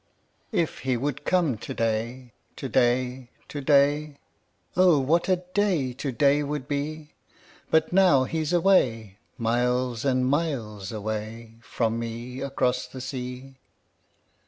If he would come to day, to day, to day, O, what a day to day would be! But now he's away, miles and miles away From me across the sea.